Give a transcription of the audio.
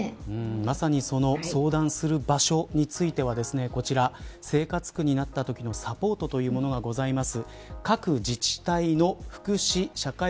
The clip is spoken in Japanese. まさに相談する場所についてはこちら生活苦になったときのサポートというものがございます。